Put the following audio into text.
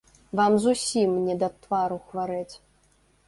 Вам зусім не да твару хварэць.